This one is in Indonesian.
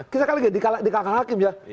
kisah kali lagi di kakak hakim ya